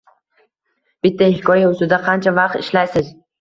Bitta hikoya ustida qancha vaqt ishlaysiz